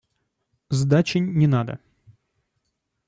Сдачи не надо.